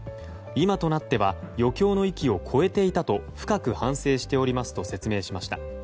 今となっては余興の域を超えていたと深く反省しておりますと説明しました。